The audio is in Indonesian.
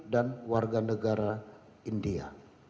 dan warganegara india